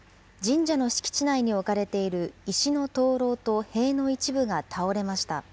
神社の敷地内に置かれている石の灯籠と塀の一部が倒れました。